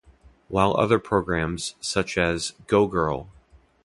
While other programs, such as Go Girl!